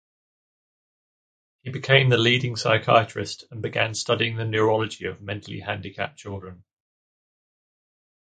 He became the leading psychiatrist and began studying the neurology of mentally handicapped children.